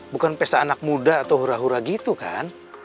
bukan pesta anak muda atau hura hura gitu kan